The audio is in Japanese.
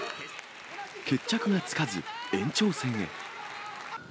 決着がつかず、延長戦へ。